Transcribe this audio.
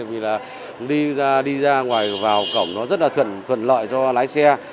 vì là đi ra ngoài vào cổng nó rất là thuận lợi cho lái xe